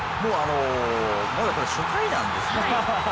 まだこれ初回なんですよね。